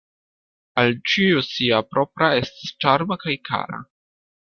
Al ĉiu sia propra estas ĉarma kaj kara.